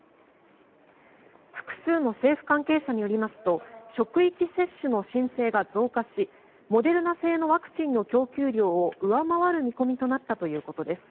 複数の政府関係者によりますと職域接種の申請が増加しモデルナ製のワクチンの供給量を上回る見込みとなったということです。